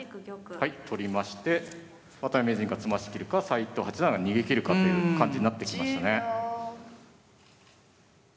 はい取りまして渡辺名人が詰ましきるか斎藤八段が逃げきるかという感じになってきましたね。